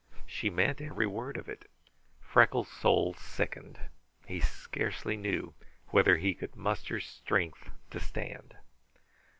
She meant every word of it. Freckles' soul sickened. He scarcely knew whether he could muster strength to stand.